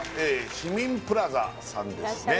市民プラザさんですね